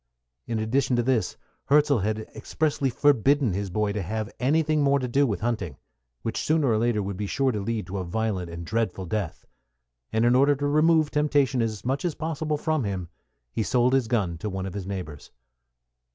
In addition to this, Hirzel had expressly forbidden his boy to have anything more to do with hunting, which sooner or later would be sure to lead to a violent and dreadful death; and in order to remove temptation as much as possible from him, he sold his gun to one of his neighbors.